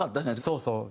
そうそう。